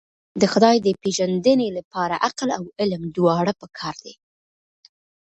د خدای د پېژندنې لپاره عقل او علم دواړه پکار دي.